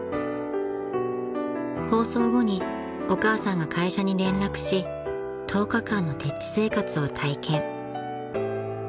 ［放送後にお母さんが会社に連絡し１０日間の丁稚生活を体験］